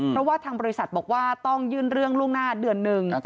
เพราะว่าทางบริษัทบอกว่าต้องยื่นเรื่องล่วงหน้าเดือนหนึ่ง